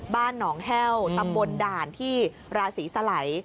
บ้านหนองแห้วตำบลด่านที่ราศีสลัย